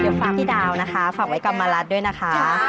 เดี๋ยวฝากพี่ดาวนะคะฝากไว้กรรมรัฐด้วยนะคะ